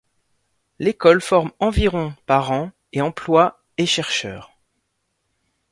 L'École forme environ par an et emploie et chercheurs.